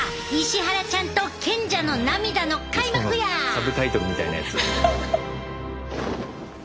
サブタイトルみたいなやつ。